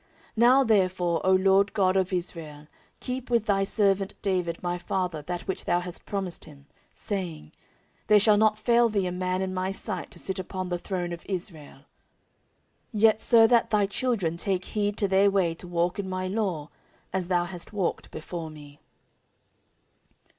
14:006:016 Now therefore, O LORD God of Israel, keep with thy servant David my father that which thou hast promised him, saying, There shall not fail thee a man in my sight to sit upon the throne of Israel; yet so that thy children take heed to their way to walk in my law, as thou hast walked before me.